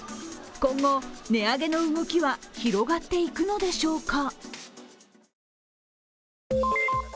今後、値上げの動きは広がっていくのでしょうか。